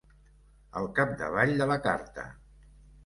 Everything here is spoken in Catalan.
Al capdavall de la carta.